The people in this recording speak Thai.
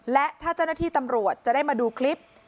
และถ้าเจ้าหน้าที่ตำรวจจะได้มาดูคลิป